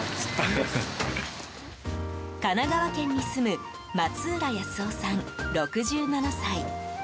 神奈川県に住む松浦康雄さん、６７歳。